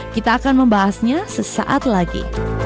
kita akan membahasnya sesaat lagi